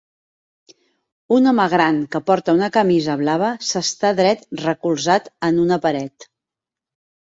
Un home gran que porta una camisa blava s'està dret recolzat en una paret.